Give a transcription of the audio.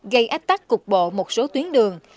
gây ách tắc cục bộ một số tuyến đường